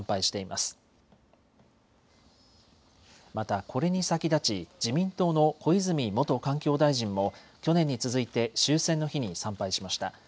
また、これに先立ち自民党の小泉元環境大臣も去年に続いて終戦の日に参拝しました。